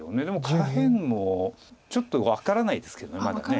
でも下辺もちょっと分からないですけどまだ。